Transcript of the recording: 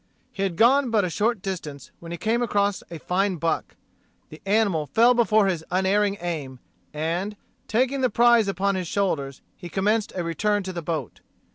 He had gone but a short distance when he came across a fine buck. The animal fell before his unerring aim, and, taking the prize upon his shoulders, he commenced a return to the boat.